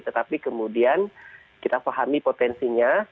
tetapi kemudian kita pahami potensinya